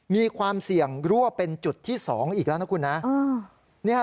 มีความเสี่ยงรั่วเป็นจุดที่๒อีกแล้วนะคุณนะ